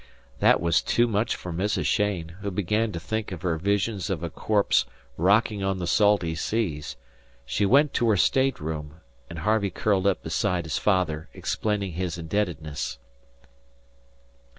That was too much for Mrs. Cheyne, who began to think of her visions of a corpse rocking on the salty seas. She went to her stateroom, and Harvey curled up beside his father, explaining his indebtedness.